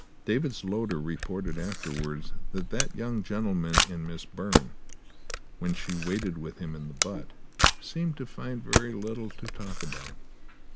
David's loader reported afterwards that that young gentleman and Miss Byrne, when she waited with him in the butt, seemed to find very little to talk about.